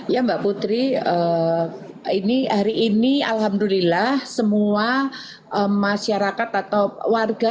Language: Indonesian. ya mbak putri hari ini alhamdulillah semua masyarakat atau warga